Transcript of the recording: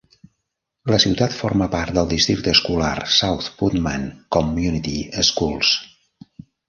La ciutat forma part del districte escolar South Putnam Community Schools.